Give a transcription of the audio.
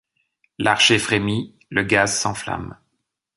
L’archet frémit, le gaz s’enflamme